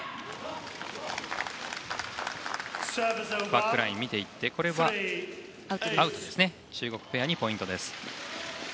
バックラインを見ていってこれはアウトで中国ペアにポイント。